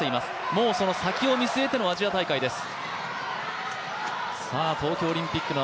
もうその先を見据えてのアジア大会です。